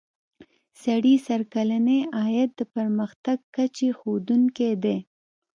سړي سر کلنی عاید د پرمختګ کچې ښودونکی دی.